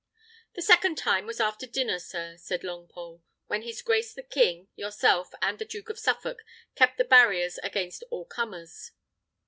"The second time was after dinner, sir," said Longpole, "when his grace the king, yourself, and the Duke of Suffolk kept the barriers against all comers."